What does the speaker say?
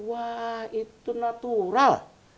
wah itu natural